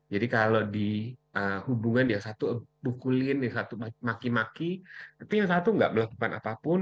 jadi kalau di hubungan yang satu bukulin yang satu maki maki tapi yang satu tidak melakukan apapun